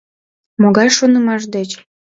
— Могай шонымаш деч?